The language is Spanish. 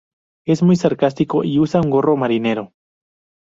Es muy sarcástico y usa un gorro marinero.